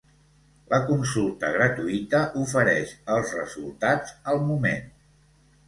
La consulta gratuïta ofereix els resultats al moment.